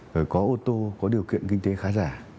rồi có ô tô có điều kiện kinh tế khá giả